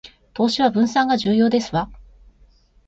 投資は分散が重要ですわ